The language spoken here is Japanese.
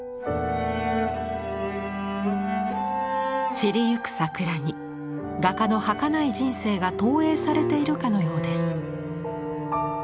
散りゆく桜に画家のはかない人生が投影されているかのようです。